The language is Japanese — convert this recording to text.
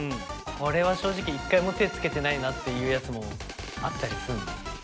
これは正直一回も手つけてないなっていうやつもあったりすんの？